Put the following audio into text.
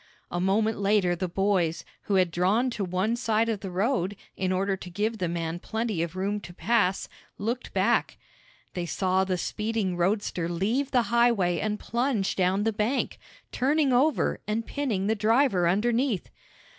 A moment later the boys, who had drawn to one side of the road, in order to give the man plenty of room to pass, looked back. They saw the speeding roadster leave the highway and plunge down the bank, turning over and pinning the driver underneath.